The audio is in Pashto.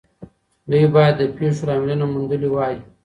دوی بايد د پېښو لاملونه موندلي وای.